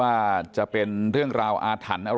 ฝ่ายกรเหตุ๗๖ฝ่ายมรณภาพกันแล้ว